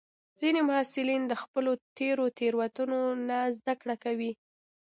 ځینې محصلین د خپلو تېرو تېروتنو نه زده کړه کوي.